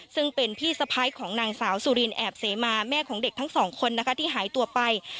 ซึ่งเป็นพี่สะพ้ายของนางสาวสุรินแอบเสมาแม่ของเด็กทั้งสองคนนะคะที่หายตัวไป